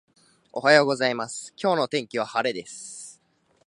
おはようございます、今日の天気は晴れです。